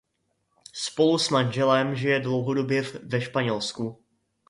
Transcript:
Spolu s manželem žije dlouhodobě ve Španělsku.